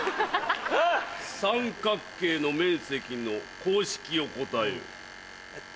三角形の面積の公式を答えよ。